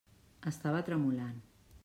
Estava tremolant.